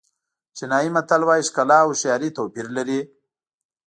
چینایي متل وایي ښکلا او هوښیاري توپیر لري.